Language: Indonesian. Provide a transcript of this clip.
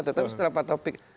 tetapi setelah pak taufik